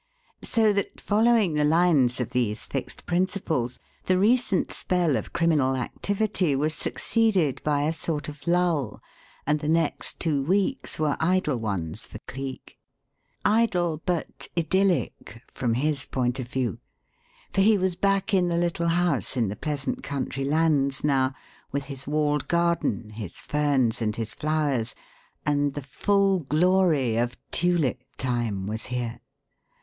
So that following the lines of these fixed principles the recent spell of criminal activity was succeeded by a sort of lull, and the next two weeks were idle ones for Cleek. Idle but idyllic from his point of view; for he was back in the little house in the pleasant country lands now, with his walled garden, his ferns and his flowers, and the full glory of tulip time was here.